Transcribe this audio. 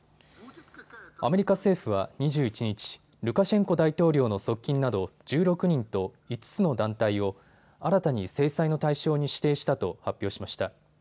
アメリカ政府は２１日、ルカシェンコ大統領の側近など１６人と５つの団体を新たに制裁の対象に指定したと発表しました。